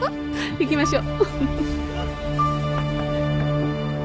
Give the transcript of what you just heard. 行きましょう。